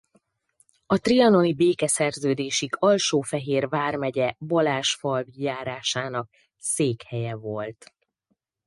A trianoni békeszerződésig Alsó-Fehér vármegye Balázsfalvi járásának székhelye volt.